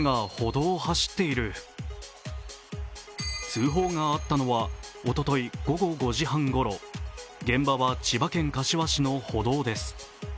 通報があったのは、おととい午後５時半ごろ、現場は千葉県柏市の歩道です。